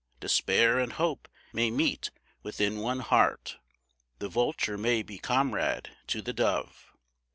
Despair and hope may meet within one heart, The vulture may be comrade to the dove!